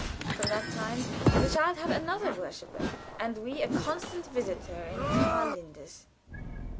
From that time the child had another worshiper, and we a constant visitor in Karl Linders.